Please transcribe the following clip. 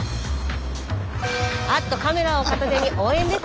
あっとカメラを片手に応援ですね。